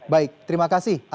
baik terima kasih